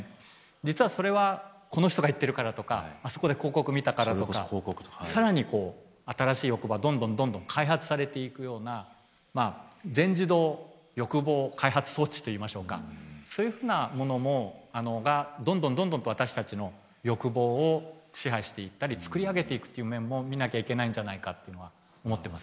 実はそれはこの人が言ってるからとかあそこで広告見たからとか更にこう新しい欲がどんどんどんどん開発されていくような全自動欲望開発装置といいましょうかそういうふうなものがどんどんどんどんと私たちの欲望を支配していったり作り上げていくっていう面も見なきゃいけないんじゃないかっていうのは思ってますね。